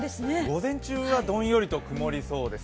午前中はどんよりと曇りそうです。